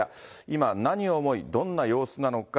今、何を思い、どんな様子なのか。